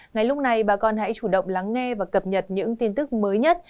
ngay lúc này bà con hãy chủ động lắng nghe và cập nhật những tin tức mới nhất